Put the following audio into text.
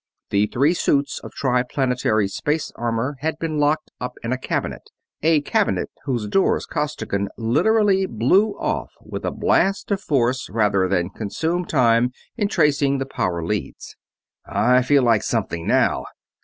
The three suits of Triplanetary space armor had been locked up in a cabinet; a cabinet whose doors Costigan literally blew off with a blast of force rather than consume time in tracing the power leads. "I feel like something now!"